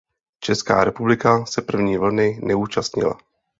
Česká republika se první vlny neúčastnila.